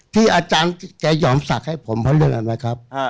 ที่อาจารย์แกยอมศักดิ์ให้ผมพระเรือนนะครับ